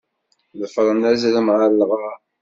Ḍefren azrem ɣer lɣar.